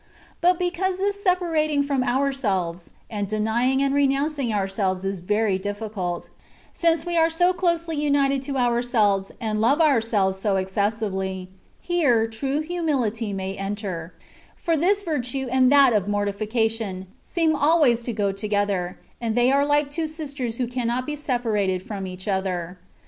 But because this sepa rating from ourselves, and denying and renouncing ourselves is very difficult, since we are so closely united to ourselves and love ourselves so exces sively, here true humility may enter; for this virtue and that of mortification, seem always to go together, and they are like two sisters who cannot be separated from each other.